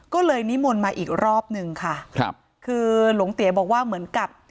ก็เลยนิมนต์มาอีกรอบหนึ่งค่ะครับคือหลวงเตี๋ยบอกว่าเหมือนกับ